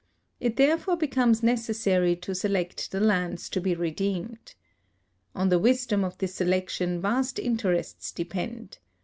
It therefore becomes necessary to select the lands to be redeemed. On the wisdom of this selection vast interests depend.